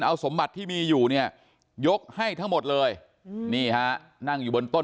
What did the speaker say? เอาสมบัติที่มีอยู่เนี่ยยกให้ทั้งหมดเลยนี่ฮะนั่งอยู่บนต้น